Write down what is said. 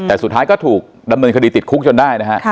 แต่สุดท้ายก็ถูกดำเนินคดีติดคุกจนได้นะฮะ